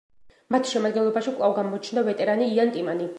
მათ შემადგენლობაში კვლავ გამოჩნდა ვეტერანი იან ტიმანი.